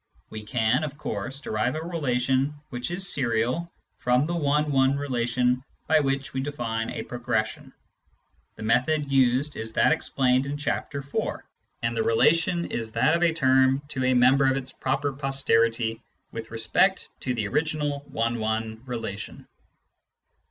We can, of course, derive a relation which is serial from the one one relation by which we define a progression : the method used is that explained in Chapter IV., and the relation is that of a term to a member of its proper posterity with respect to the original one one relation.